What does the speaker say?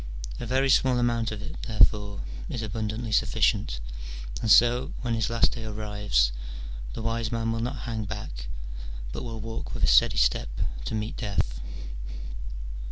A very small amount of it, therefore, is abundantly sufficient, and so, when his last day arrives, the wise man will not hang back, but will walk with a steady step to meet death.